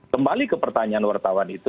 kembali ke pertanyaan wartawan itu